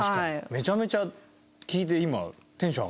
めちゃめちゃ聞いて今。